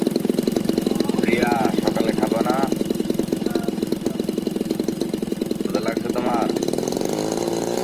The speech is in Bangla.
পরবর্তীকালে, তিনি ব্রাদার্স ইউনিয়নের হয়ে খেলেছিলেন।